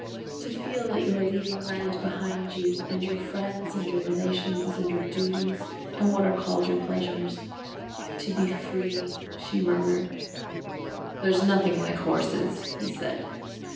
"To feel that you are leaving land behind you and your friends and your relations and your duties and what are called your pleasures. To be free," she murmured. "There's nothing like horses," he said.